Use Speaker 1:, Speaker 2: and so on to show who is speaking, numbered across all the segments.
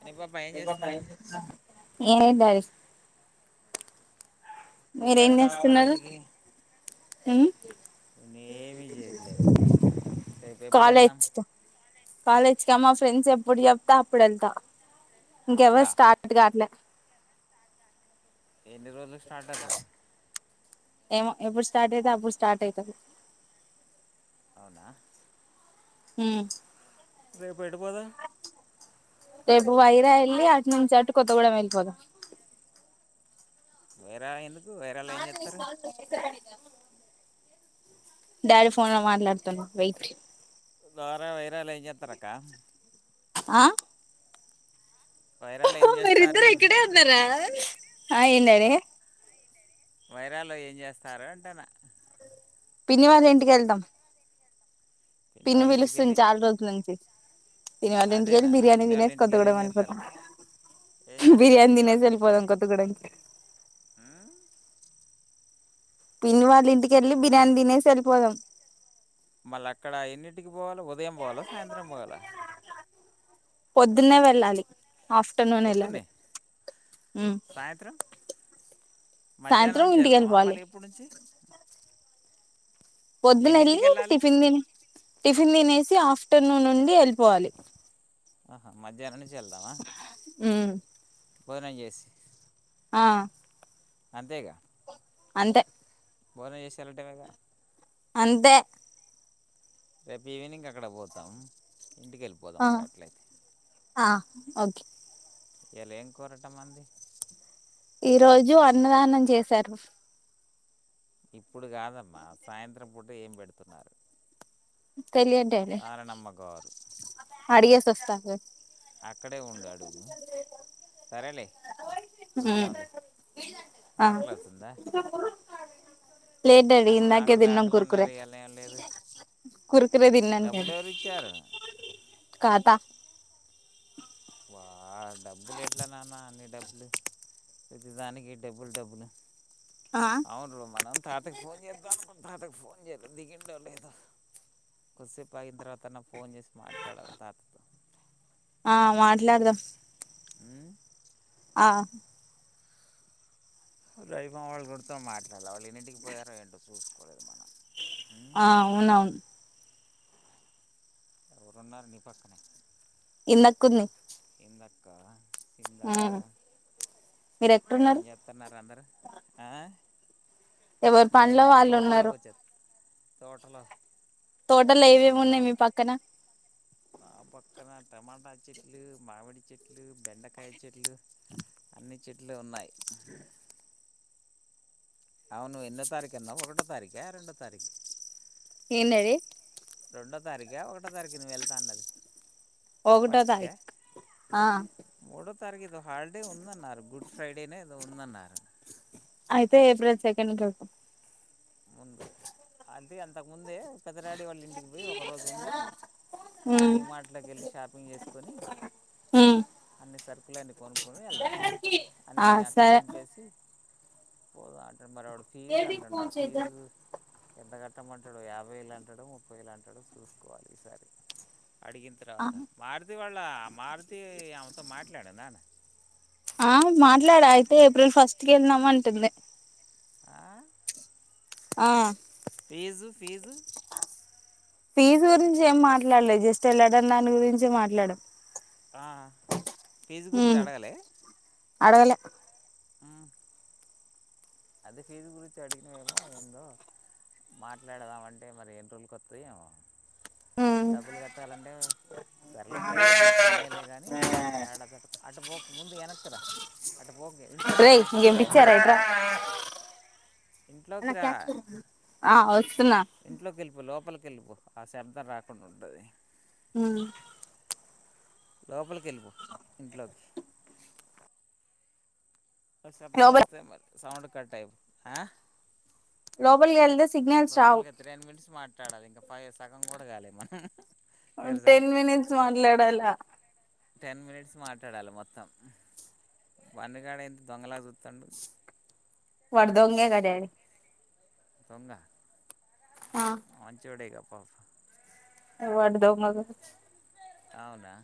Speaker 1: అని పాప ఏం
Speaker 2: ఏ
Speaker 1: చేస్తున్నా
Speaker 2: క్
Speaker 1: ఎప్పుడు వెళ్తావు
Speaker 2: మీరేన్నిస్తుస్తున్నారు
Speaker 1: ఏమి చేట్లే
Speaker 2: కాాలేజ్కి కాాలేజ్కి అమ్మా ఫ్రెండ్స్ ఎప్పుడు చెప్తా అప్పుడు వెళ్తా ఇంకె ఎవ్వరు
Speaker 1: అప్పుడా
Speaker 2: స్టార్ట్ కాట్లే
Speaker 1: ఎన్ని రోజులు స్టార్ట్ అది
Speaker 2: ఏమో ఎప్పుడు స్టార్ట్ అయితే అప్పుడు స్టార్ట్ అవుతంది
Speaker 1: అవునా
Speaker 2: హ
Speaker 1: రేప పెడుపోదా
Speaker 2: రేపు వైరా వెళ్ళి అటు నుంచి అటు కొత్తగూడెం వెళ్ళిపోదాం
Speaker 1: వైరా ఎందుకు వైరాళ్ళ ఏం చెప్తారు
Speaker 2: డాడీ ఫోన్ లో మాట్లాడుతున్నా వెైట్
Speaker 1: ద్వారా వైరాలు ఏం చేస్తారక్క
Speaker 2: ఆ
Speaker 1: వైరాలు ఏం చేస్తారు
Speaker 2: మీరిద్దరు ఇక్కడే అన్నారా ఆ ఏందడి
Speaker 1: వైరాల్లో ఏం చేస్తారు అంటే నా
Speaker 2: పిని వాళ్ళ ఇంటికి వెళ్తాం
Speaker 1: పిన్ని
Speaker 2: పిని
Speaker 1: వాళ్ళ ఇంటికి
Speaker 2: పిలుస్తుంది
Speaker 1: వెళ్ళి
Speaker 2: చాలా రోజుల నుంచి దినివల్ళ ఇంటికెళ్ి
Speaker 1: అదేనా నా
Speaker 2: బిర్యానీ
Speaker 1: పిన్ని వాళ్ళ
Speaker 2: తినేసి
Speaker 1: ఇంటికి
Speaker 2: కొత్త
Speaker 1: వెళ్ళి
Speaker 2: కూడా
Speaker 1: ఏం
Speaker 2: అనపోత
Speaker 1: చేస్తారు ఏం చేస్తారు
Speaker 2: బిర్యానీ
Speaker 1: పిన్ని వాళ్ళ
Speaker 2: తీనేసి
Speaker 1: ఇంటికి
Speaker 2: ఎళ్ళిపోదాం
Speaker 1: వెళ్ళి
Speaker 2: కొత్తగుడానికి. పిన్ని వాళ్ళ ఇంటికి ఎళ్ళి బిర్యానీ తినేసి ఎళ్ళిపోదాం.
Speaker 1: మళ్ళా అక్కడ ఎన్నింటికి పోవాలా. ఉదయం పోవాలా, సాయంత్రం పోవాలా.
Speaker 2: పొద్దున్నే వెళ్ళాలి. ఆఫ్టర్నూన్ వెళ్ళాలి.
Speaker 1: పొద్దున్నే
Speaker 2: హ్
Speaker 1: సాయంత్రం మధ్యాహ్నం నుంచి వెళ్దామా
Speaker 2: వెళ్ళిపోవాలి
Speaker 1: మళ్ళీ ఇప్పుడు నుంచి. ఎన్నింటికి
Speaker 2: పొద్దునెల్లి
Speaker 1: వెళ్ళాలి
Speaker 2: టిఫిన్ తిని టిఫిన్ తినేసి సి ఆఫ్టర్నూన్ నుండి వెళ్ళిపోవాలి.
Speaker 1: ఆహా మధ్యాహ్నం నుంచి వెళ్దామా.
Speaker 2: హ్
Speaker 1: భోజనం చేసి
Speaker 2: ఆ
Speaker 1: అంతేగా
Speaker 2: అంతే
Speaker 1: భోజనం చేసి ఎళ్ళటమేగా.
Speaker 2: అంతే
Speaker 1: రేపు ఈవినింగ్ అక్కడ పోతాం. ఇంటికి ఎళ్ళిపోదాం
Speaker 2: ఆ
Speaker 1: మరి అట్లయితే.
Speaker 2: ఆ ఓకే
Speaker 1: ఇయాళ ఏం కూరట మన్ది.
Speaker 2: ఈ రోజు అన్నదానం చేసారు.
Speaker 1: ఇప్పుడు కాదమ్మా, సాయంత్రం పూట ఏం పెడుతున్నారు.
Speaker 2: తెలియదు డాడి,
Speaker 1: నారాయణమ్మ గారు
Speaker 2: అడిగేసి వస్తా ఆగు.
Speaker 1: అక్కడే ఉండు అడుగు. సరేలే.
Speaker 2: ఉమ్
Speaker 1: చూద్దాంలే.
Speaker 2: ఆ
Speaker 1: ఆకలి అవుతుందా.
Speaker 2: లేదు డాడీ
Speaker 1: నిన్న
Speaker 2: ఇందాకే
Speaker 1: ఆకలి
Speaker 2: తిన్నం
Speaker 1: ఆకలి
Speaker 2: కుర్కురే.
Speaker 1: అన్నారు ఇవాళ ఏం లేదు
Speaker 2: కురుకురే తిన్నాం
Speaker 1: డబ్బులు
Speaker 2: డాడీ
Speaker 1: ఎవరు ఇచ్చారు
Speaker 2: కాతా
Speaker 1: వా డబ్బులు ఎట్లా నాన్న అన్ని డబ్బులు ప్రతి దానికి డబ్బులు డబ్బులు
Speaker 2: ఆ
Speaker 1: అవునురు మనం తాతకి ఫోన్ చేద్దాం అనుకుని తాతకి ఫోన్ చేయలేదు దిగిండో లేదో. కోసేపు ఆగిన తర్వాత అన్నా ఫోన్ చేసి మాట్లాడాలె తాతతో.
Speaker 2: ఆ మాట్లాడదాం.
Speaker 1: హ్
Speaker 2: ఆ
Speaker 1: రవి మామ వాళ్ళ గురితో మాట్లాడాల వాళ్ళు ఎన్నింటికి పోయారో ఏంటో చూసుకోలేదు మనం. ఉమ్?
Speaker 2: ఆ అవునవును.
Speaker 1: ఎవరున్నారు నీ పక్కనే?
Speaker 2: ఇందక్కుంది.
Speaker 1: అక్క సింద అక్కా.
Speaker 2: ఉమ్. మీరు
Speaker 1: ఏం
Speaker 2: ఎక్కడున్నారు
Speaker 1: చెత్తున్నారు అందరు ఆ
Speaker 2: ఎవరి
Speaker 1: నేను
Speaker 2: పనిలో
Speaker 1: ఇటు
Speaker 2: వాళ్ళు ఉన్నరు.
Speaker 1: తోటలోకి వచ్చా తోటలో
Speaker 2: తోటలో ఏమేమున్నయి మీ పక్కనా?
Speaker 1: నా పక్కనా టమాటా చెట్లు, మామిడి చెట్లు, బెండకాయ చెట్లు అన్ని చెట్లు ఉన్నాయి.
Speaker 2: అ
Speaker 1: అవును ఎన్నో తారీఖు అన్నవు ఒకటో తారీఖ, రెండో తారీఖ్
Speaker 2: ఏం డాడీ.
Speaker 1: రెండో తారీఖా, ఒకటో తారీఖ నువ్వు వెళ్తా అన్నది.
Speaker 2: ఒకటో
Speaker 1: ఫస్ట్ కా,
Speaker 2: తారీఖు ఆ
Speaker 1: మూడో తారీఖు ఏదో హాలిడే ఉందన్నారు గుడ్ ఫ్రైడేనో ఏదో ఉందన్నారు.
Speaker 2: అయితే ఏప్రిల్ సెకండ్కి వెళ్దాం.
Speaker 1: ముందు హల్ది అంతకు ముందే పెదడాడీ వాళ్ళ ఇంటికి పోయి, ఒక రోజు ఉండి అక్కడ
Speaker 2: ఉమ్
Speaker 1: డీ మార్ట్ లోకి వెళ్ళి షాపింగ్ చేసుకొని
Speaker 2: ఉమ్
Speaker 1: అన్ని సరుకులు కుకులన్నీ కొనుక్కొని వెళ్దాం అన్ని
Speaker 2: ఆ
Speaker 1: నిన్ను అక్కడ
Speaker 2: సరే
Speaker 1: దింపేసి పోదాం అంట మరి వాడు ఫీజ్ అంటుండు ఆ ఫీజు ఎంత కట్టమంటాడో యాభై వేలు అంటాడో, ముప్పై వేలు అంటాడో చూసుకోవాలి ఈసారి. అడిగిన
Speaker 2: ఆ
Speaker 1: తర్వాత మారుతి వాళ్ల మారుతి ఆమెతో మాట్లాడారా
Speaker 2: ఆ మాట్లాడ అయితే ఏప్రిల్ ఫస్ట్ కి వెళ్దాం అంటుంది. ఆ
Speaker 1: ఫీజు ఫీజు
Speaker 2: ఫీజు గురించి ఏం మాట్లాడలే జస్ట్ ఏళ్లడం దాని గురించే మాట్లాడాం.
Speaker 1: ఆ ఫీజు గురించి అడగలే?
Speaker 2: అడగలే
Speaker 1: అదే ఫీజు గురించి అడిగినవేమో ఏందో మాట్లాడదాం అంటే, మరి ఎన్ని రోజులకోత్తాయో
Speaker 2: ఉమ్
Speaker 1: డబ్బులు కట్టాలంటే. సర్లే, ప్రస్తుతానికి ఉన్నాయిలే గానీ, ఏడా అటు పోక ముందు వెనక్కరా [unintelligible]
Speaker 2: [unintelligible]
Speaker 1: ఓకే ఇంట్లోకి రా
Speaker 2: రేయ్
Speaker 1: ఇంట్లోకి
Speaker 2: నీకేం
Speaker 1: రా
Speaker 2: పిచ్చారా
Speaker 1: ఇంట్లోకి రా
Speaker 2: ఇట్రా
Speaker 1: ఇంట్లోకి
Speaker 2: అన్నా
Speaker 1: రా
Speaker 2: క్యాచ్ పట్టుకో ఆ వస్తున్నా.
Speaker 1: ఎల్లిపో ఆ శబ్దం రాకుండా ఉంటది.
Speaker 2: మ్మ్
Speaker 1: లోపలికి ఎల్లిపో ఇంట్లోకి. ఒక శబ్దం
Speaker 2: లోపల
Speaker 1: వస్తే, మరి సౌండ్ కట్ అయిపోద్ది. ఆ
Speaker 2: లోపలికి ఎళితే
Speaker 1: లోపలికి వెళితే టెన్ మినిట్స్ మాట్లాడాలి. ఇంకా ఫైవ్ సగం కూడా కాలే తెలుసా
Speaker 2: టెన్ మినిట్స్ మాట్లాడాల
Speaker 1: టెన్ మినిట్స్ మాట్లాడాల మొత్తం. బన్ను గాడు అయితే దొంగలా జుస్తుండు.
Speaker 2: వాడు దొంగేగా డాడీ.
Speaker 1: దొంగ మంచోడేగా పాపం.
Speaker 2: వాడు దొంగ గావచ్చు.
Speaker 1: అవునా?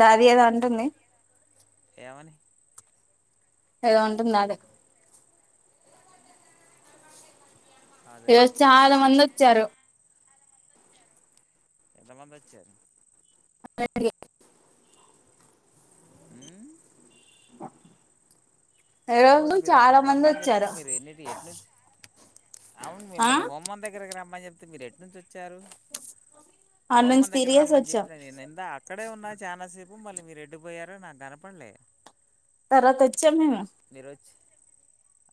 Speaker 2: దాది ఏదో అంటుంది.
Speaker 1: ఏమని?
Speaker 2: ఏదో అంటుంది దాది.
Speaker 1: అదేలే
Speaker 2: ఈరోజు చాలా మంది వచ్చారు.
Speaker 1: ఎంతమంది వచ్చారు?
Speaker 2: అే [inaudible]
Speaker 1: ఉమ్
Speaker 2: ఈరోజు
Speaker 1: అవును మీరు అక్కడి
Speaker 2: చాలా
Speaker 1: కి
Speaker 2: మంది
Speaker 1: రమ్మని చెప్పిరు.
Speaker 2: వచ్చారు
Speaker 1: మీరు ఎన్నింటి ఎట్ నుంచి? అవును
Speaker 2: ఆ
Speaker 1: మిమ్మల్ని హోమం దగ్గరకి రామన్నా రమని చెప్తే మీరు ఎట్ నుంచి వచ్చారు?
Speaker 2: ఆడ నుంచి
Speaker 1: హోమం దగ్గరికి
Speaker 2: తిరిగేసి
Speaker 1: రమ్మని
Speaker 2: వచ్చాం
Speaker 1: చెప్పిన నేను ఇందా అక్కడే ఉన్నా చానాసేపు మళ్లీ మీరు ఎటుపోయారో నాకు కనపడలే?
Speaker 2: తర్వాత వచ్చాం మేము.
Speaker 1: మీరు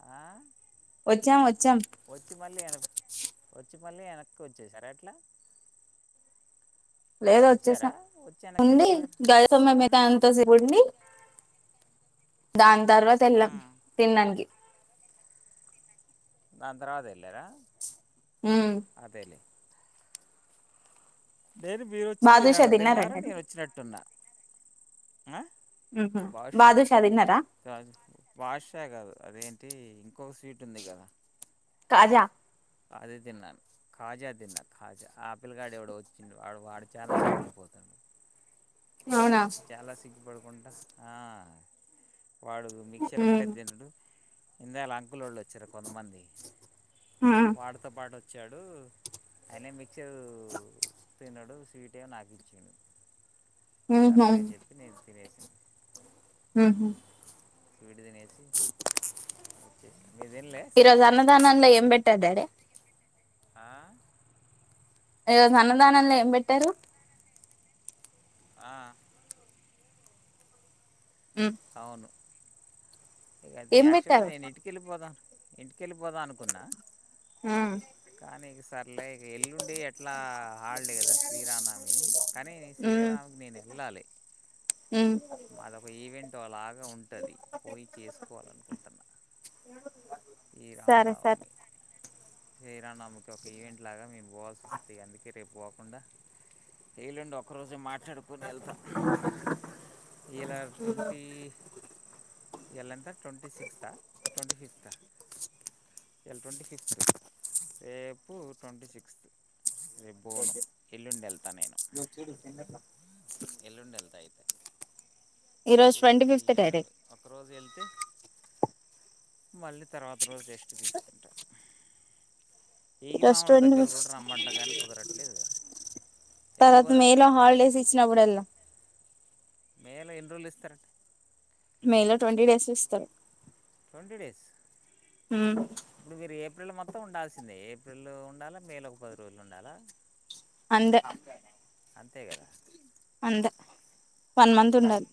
Speaker 1: ఆ
Speaker 2: వచ్చాం వచ్చ
Speaker 1: వచ్చి మళ్లీ వెనక్కి వచ్చి మళ్లీ వెనక్కి వచ్చేశార ఏట్లా?
Speaker 2: లేదు
Speaker 1: వచ్చారా
Speaker 2: వచ్చేశాం ఉండి
Speaker 1: వెళ్ళిపోయారు ఉమ్,
Speaker 2: [inaudible] అంతసేపు ఉండి దాని తర్వాత
Speaker 1: ఆ.
Speaker 2: వెళ్లాం తినడానికి.
Speaker 1: దాని తర్వాత వెళ్లార
Speaker 2: మ్మ్
Speaker 1: అదేలే. నేను మీరు వచ్చి మీరు
Speaker 2: బాదుషా
Speaker 1: ఆడ తిన్నారు
Speaker 2: తిన్నారండి అది
Speaker 1: నేను వచ్చినట్టున్నా. ఆ
Speaker 2: మ్మ్
Speaker 1: బాదుషా
Speaker 2: తిన్నారా
Speaker 1: బాషా కాదు. అదేంటి, ఇంకో స్వీట్ ఉంది కదా?
Speaker 2: కాజా.
Speaker 1: అదే తిన్నాను కాజా తిన్నా కాజా ఆపిల్ కాడ ఎవడ వచ్చిడు వాడు వాడు చానా సిగ్బడిపోతాడు
Speaker 2: అవునా
Speaker 1: పడుకుంటా ఆ వాడు మిక్చర్ ఒక్కటే
Speaker 2: మ్మ్
Speaker 1: తినడు ఇందేళ అంకుల వాళ్ళు వచ్చారు కొంతమంది
Speaker 2: మ్మ్
Speaker 1: వాలతో పాటు వచ్చాడు అయనే మిక్చర్ తిన డు స్వీట్ ఏ నాకు ఇచ్చిడు సర్లే అని చెప్పి నేను తినేసాను
Speaker 2: ఆహ
Speaker 1: స్వీట్ తినేసి వచ్చేసి
Speaker 2: ఈరోజు అన్నదానంలో ఏంబెట్టర్ డాడే
Speaker 1: ఆ
Speaker 2: ఈ రోజు అన్నదానంలో ఏం పెట్టారు
Speaker 1: ఆ
Speaker 2: మ్మ్
Speaker 1: అవును ఇది
Speaker 2: ఏం
Speaker 1: యాక్చువల్
Speaker 2: పెట్టారు
Speaker 1: నేను ఇంటికెళ్ళిపోదా ఇంటికెళ్ళిపోదాం అనుకున్నా
Speaker 2: ఉమ్
Speaker 1: అనే సార్ లైక్ ఎల్లుండి ఎట్లా హల్డే కదా శ్రీరామనవమి కాని శ్రీరామికి నేను ఎల్లా లీ
Speaker 2: ఉమ్
Speaker 1: మాదొక ఈవెంట్లాగా ఉంటది పోయి చేసుకోవాలనుకుంటన్నా
Speaker 2: సరే సరే
Speaker 1: శ్రీరామనవమి సేత్ తనం ఒక ఈవెంట్ లాగా మేం బోవాల్సి వస్తది అందుకే రేపు పోకుండా ఏలండి ఒక్క రోజు మాట్ కడుకొని వెళ్తా ఇలా ట్వంటీ ఎలెంతా ట్వంటీ సిక్స్త్ ట్వంటీ ఫిఫ్త ఇలా ట్వంటీ ఫిఫ్త్ రేపు ట్వంటీ సిక్స్త్ రే బోను ఎల్లుండి వెళ్తా నేను ఎల్లుండి వెళ్తాయితే
Speaker 2: ఈరోజు ట్వంటీ
Speaker 1: ఎల్లుండి
Speaker 2: ఫిఫ్త్ డాడీ
Speaker 1: ఎల్లుండి ఒక రోజు వెళ్తే మళ్ళీ తర్వాత రోజు రెస్ట్ తీసుకు ఏగి
Speaker 2: ఈరోజు
Speaker 1: మాములు
Speaker 2: ట్వంటీ
Speaker 1: దగ్గర కూడా
Speaker 2: ఫిఫ్త్
Speaker 1: రమ్మంట కానీ కుదరట్లేదుగా ఎప్పుడు
Speaker 2: తర్వాత
Speaker 1: పోదాం
Speaker 2: మేలో హాలిడేస్ ఇచ్చినప్పుడు ఎల్లా
Speaker 1: మేల ఎన్ని రోజులు ఇస్తారంట
Speaker 2: మే లో ట్వంటీ డేస్ ఇస్తారు
Speaker 1: ట్వంటీ డేస్
Speaker 2: ఉమ్
Speaker 1: ఇప్పుడు మీరు ఏప్రిల్ మొత్తం ఉండాల్సిందే ఏప్రిల్ లో ఉండాలా మేలో ఒక పది రోజులు ఉండాలా
Speaker 2: అంద
Speaker 1: అంతే కదా
Speaker 2: అంతే మంత్
Speaker 1: వన్
Speaker 2: ఉండాలి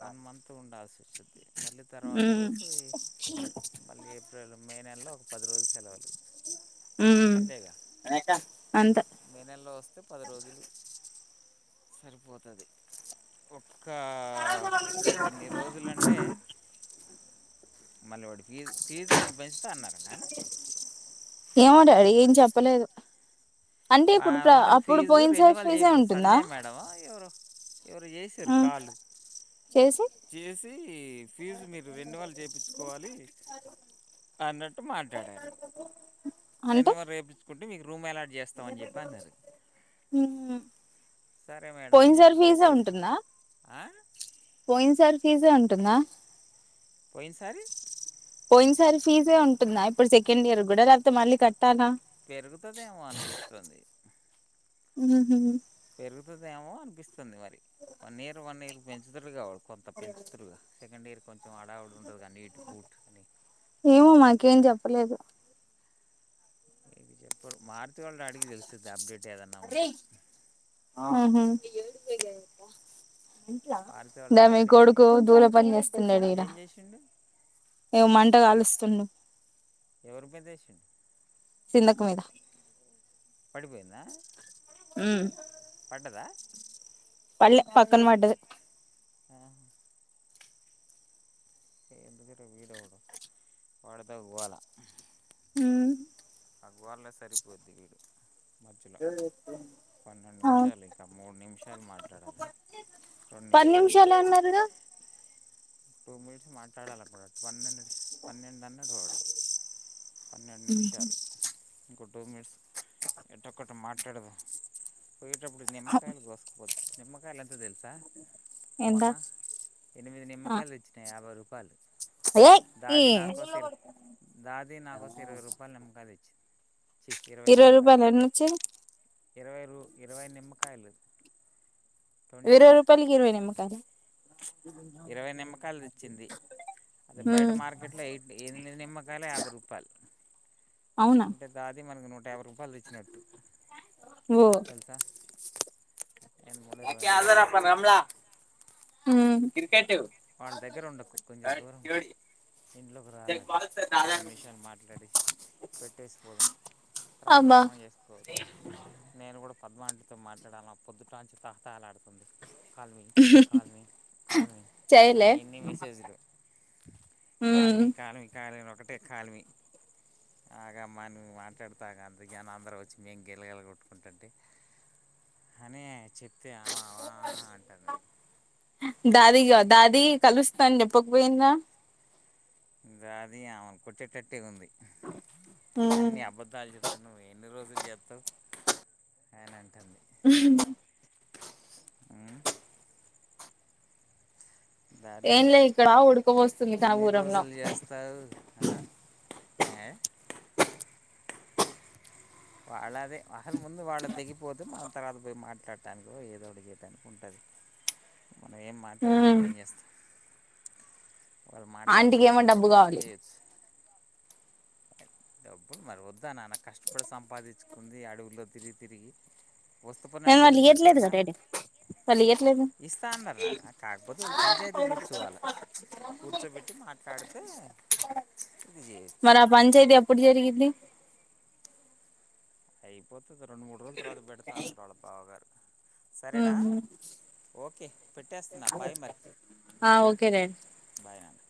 Speaker 1: వన్ మంత్ ఉండాల్సి వస్తుంది మళ్ళీ తర్వాత
Speaker 2: మ్మ్
Speaker 1: రోజు ఈ మళ్ళీ ఏప్రిల్ మే న లో ఒక పది రోజులు సెలవులు
Speaker 2: ఉమ్
Speaker 1: అంతేగా
Speaker 2: లేక
Speaker 1: మే నెలలో వస్తే పది రోజులు సరిపోతది రోజులంటే
Speaker 2: [unintelligible]
Speaker 1: మళ్ళీ వాడి ఫీజ ఫీజీ అనిపెంచుత అన్నార నాన
Speaker 2: ఏమో డాడీ ఏం చెప్పలేదు అంటే ఇప్పుడు
Speaker 1: ఆమె
Speaker 2: ప్ర
Speaker 1: ఏమటది
Speaker 2: అప్పుడు
Speaker 1: ఫీజు
Speaker 2: పోయిన సారి
Speaker 1: రెనివల్
Speaker 2: ఫీజే
Speaker 1: చేపి
Speaker 2: ఉంటుందా
Speaker 1: సంధ్య మేడమా ఎవరో ఎవరు చేసారు
Speaker 2: మ్మ్
Speaker 1: కాళ్లు
Speaker 2: చేసి
Speaker 1: చేసి ఫీజు మీరు రెన్యూల్ చేపిచుకోవాలి అన్నట్టు మాట్లాడారు
Speaker 2: అంటే
Speaker 1: రెనివరు చేపించుకుంటే మీకు రూమ్ అలాట్ చేస్తామని చెప్పి అన్నారు
Speaker 2: మ్మ్
Speaker 1: సరే మేడం
Speaker 2: పోయిన
Speaker 1: అని చెప్పి
Speaker 2: సారి ఫీజే
Speaker 1: పెట్టేసిన
Speaker 2: ఉంటుందా
Speaker 1: ఆ
Speaker 2: పోయిన సారి ఫీజే అంటుందా
Speaker 1: పోయిన్సారి
Speaker 2: పోయిన సారి ఫీజే అంటుందా ఇప్పుడు సెకండ్ ఇయర్ కూడా లేకపోతే మళ్ళీ కట్టాలా
Speaker 1: పెరుగుతదేమో అనిపిస్తుంది
Speaker 2: ఊహు
Speaker 1: పెరుగుతుదేమో అనిపిస్తుంది మరి వన్ ఇయర్ వన్ ఇయర్ పెంచుతారు కాబట్టి కొంత పెంచుతురు సెకండ్ ఇయర్ కొంచెం అడ విడి ఉంటదు క నీట్ బూట్ అని
Speaker 2: ఏమో మాకేం చెప్పలేదు
Speaker 1: ఇది చెప్పరు మారుతి వాళ్ళు అడిగి తెలుసుది అప్డేట్ ఏదన్నా ఉంటే
Speaker 2: అవునా
Speaker 1: మారుతి వాళ్ళ
Speaker 2: దా మి
Speaker 1: డాడీకి
Speaker 2: కొడుకు ధూల పని చేస్తున్నాడు ఈడ
Speaker 1: ఏం చేసిండు
Speaker 2: ఏమో మంటగాలుస్తుండు
Speaker 1: ఎవరి మీద ఏసిండ్
Speaker 2: సింధకు మీద
Speaker 1: పడిపోయిందా
Speaker 2: ఊ
Speaker 1: పడ్డదా
Speaker 2: పల్లె పక్కన పడ్డది
Speaker 1: ఎందుకటే వీడెవడ వాడితో గోల అగోళ్ళ సరిపోద్ది వీడు మధ్యలో పన్నెండు
Speaker 2: అవును
Speaker 1: నిమిషాలు ఇంక మూడు నిమిషాలు మాట్లాడాలా
Speaker 2: పది నిమిషాలే ఆన్నారుగా
Speaker 1: టూ మినిట్స్ మాట్లాడాలపుడు పన్నెండు ఇడిసి పన్నెండు అన్నడు వాడు పన్నెండు నిమిషాలు ఇంకో టూ మినిట్స్ ఎదోకటి మాట్లాడదాం పోయేటప్పుడు నిమ్మకాయలు కోసుకుపోతే నిమ్మకాయలు ఎంతో తెలుసా
Speaker 2: ఎంత
Speaker 1: మొన్న ఎనిమిది
Speaker 2: ఆ
Speaker 1: నిమ్మకాలు తెచ్చిన యాభై రూపాయలు
Speaker 2: ఏ ఈ
Speaker 1: దాది నాకోసం ఇరు దాది నా కోసం ఇరవై రూపాయల నిమ్మకాయలియ్ ఇరవై నిమ్మకాయలు
Speaker 2: రూపాయలు ఎన్నొచ్చేది
Speaker 1: ఇరవై రూ ఇరవై నిమ్మకాయలు ట్వంటీ
Speaker 2: వేరరు రూపాయలకి ఇరవై నిమ్మకాయలు
Speaker 1: అది బయట
Speaker 2: మ్మ్
Speaker 1: మార్కెట్లో ఎయిట్ ఎనిమిది నిమ్మకాయలు యాభై రూపాయలు
Speaker 2: అవునా
Speaker 1: అంటే దాది మనకు నూట యాభై రూపాయలు తెచ్చినట్టు
Speaker 2: ఓ
Speaker 1: తెలుసా ఎనభై మూడు ఇరవై
Speaker 2: వాకే
Speaker 1: నాలుగు
Speaker 2: హజారప్ప రమలా ఊ
Speaker 1: అట్లా వాళ్ళ దగ్గర ఉండకు కొంచెం దూరం ఉం ఇంట్లోకి రారాదు కొ రెండు నిషయాలు మాట్లాడే పెట్టేసి పోదాం తర్వాత
Speaker 2: అబ్బా
Speaker 1: స్నానం చేసుకోవచ్చు నేను కూడా పద్మాంటితో మాట్లాడాల పొద్దుటంచి తహ తహ లాడుతుంది కాల్మి కాల్మి కాల్ మీ
Speaker 2: చేయలే
Speaker 1: అని ఎన్ని మెసేజ్లు కాల్
Speaker 2: మ్మ్
Speaker 1: మీ కాల్ మీ కా కాల్ మీ అని ఒకటే కాలిమి ఆగమను మాట్లాడుత ఆగూ అందుకే అని అందరూ వచ్చి మేము గిల గిల కొట్టుకుంటుంటే హని చెప్తే ఆవ ఆ ఆ అంటంది
Speaker 2: దాదిగా దాది కలుస్తాను చెప్పకపోయిందా
Speaker 1: గాది ఆమెను కొట్టేట్టటే ఉంది
Speaker 2: మ్మ్
Speaker 1: అన్ని అబద్దాలు చెప్ ఇంక్ నువ్వు ఎన్ని రోజులు చేస్తావు అని అంటుంది ఆ దాదీ
Speaker 2: ఏం లే ఇక్కడ ఉడకపోస్తుంది
Speaker 1: ఎన్ని
Speaker 2: కానపూరంలో
Speaker 1: రోజులు చేస్తారు ఆ ఆ వాళ్ళదే వాహన్ ముందు వాళ్ళ ద తెగిపోతే మన తర్వాత పోయి మాట్లాడటానికి ఏదోటి చేయడానికి ఉంటది మనం ఏం
Speaker 2: ఉమ్
Speaker 1: మాట్లాడకుండా ఏం చేస్తాం వాళ్ళు
Speaker 2: ఆంటికి ఏమో డబ్బు
Speaker 1: మాట్లాడుకునేటట్టయితే మనం
Speaker 2: కావాలి
Speaker 1: చేయొచ్చు డబ్బులు మరి వదుా నా నా కష్టప ఇప్పుడు సంపాదించుకుంది అడుగుల్లో తిరిగి తిరిగి వస్తు పని నన్నను వదిలి పెడతా నాన్న
Speaker 2: తెలియట్లేదు
Speaker 1: ఇస్తా అన్నారు నాన్న కాకపోతే వీళ్ళు పంచాయతీ కూర్చోవాలి
Speaker 2: ఆ
Speaker 1: కూర్చోబెట్టి మాట్లాడితే ఇది చేయొచ్చు
Speaker 2: మరి ఆ పంచాయతీ ఎప్పుడు జరిగిద్ది
Speaker 1: అయిపోతే రెండు మూడు రోజుల తర్వాత పెడతాను వాళ్ళ బావ గారు సరేనా ఓకే పెట్టేస్తున్నా బాయ్ మరి
Speaker 2: ఆ ఓకే డాడీ
Speaker 1: బాయ్ నాన్న